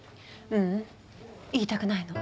ううん言いたくないの。